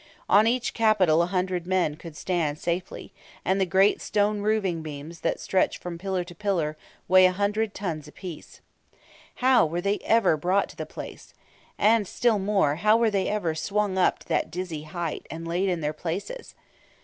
On each capital a hundred men could stand safely; and the great stone roofing beams that stretch from pillar to pillar weigh a hundred tons apiece. How were they ever brought to the place? And, still more, how were they ever swung up to that dizzy height, and laid in their places?